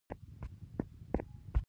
باچا خان مقبره ولې په جلال اباد کې ده؟